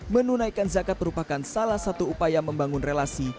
menunaikan zakat merupakan salah satu upaya membangun relasi